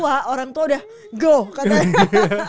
karena orang tua orang tua udah go